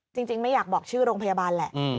จริงไม่อยากบอกชื่อโรงพยาบาลแหละ